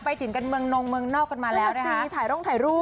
ไปถึงเมืองนเมืองนอกกันมาแล้วผซีถ่ายร่องถ่ายลูก